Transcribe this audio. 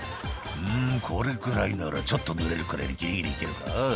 「うんこれくらいならちょっとぬれるくらいでギリギリ行けるか？